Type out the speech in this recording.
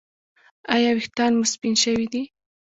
ایا ویښتان مو سپین شوي دي؟